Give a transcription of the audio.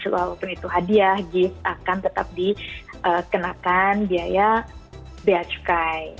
walaupun itu hadiah gift akan tetap dikenakan biaya bea cukai